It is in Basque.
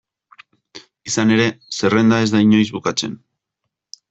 Izan ere, zerrenda ez da inoiz bukatzen.